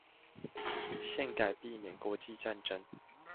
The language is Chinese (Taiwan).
憲改避免國際戰爭